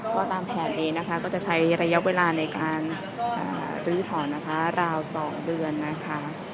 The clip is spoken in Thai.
ก็ตามแผนนี้นะคะก็จะใช้ระยะเวลาในการลื้อถอนนะคะราว๒เดือนนะคะ